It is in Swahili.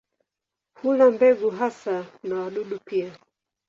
Hula mbegu hasa na wadudu pia.